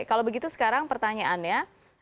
kalau begitu sekarang pertanyaannya